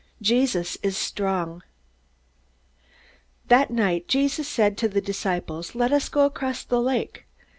Jesus Is Strong That night Jesus said to the disciples, "Let us go across the lake."